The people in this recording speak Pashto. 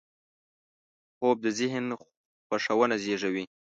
خوب د ذهن خوښونه زېږوي